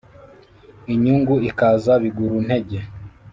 inyungu ikaza biguru ntege